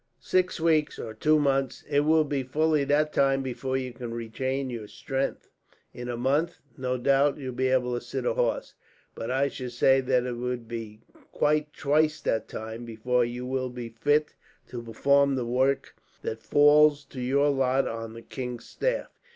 "Six weeks or two months. It will be fully that time before you can regain your strength. In a month, no doubt, you will be able to sit a horse; but I should say that it would be quite twice that time, before you will be fit to perform the work that falls to your lot on the king's staff.